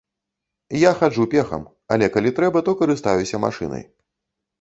Я хаджу пехам, але калі трэба, то карыстаюся машынай.